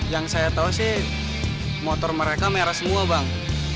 yang saya tahu sih motor mereka merah semua bang